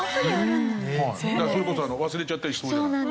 それこそ忘れちゃったりしそうじゃない。